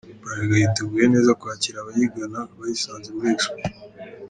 Bralirwa yiteguye neza kwakira abayigana bayisanze muri Expo,.